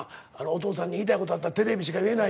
お父さんに言いたいことあったらテレビしか言えないから。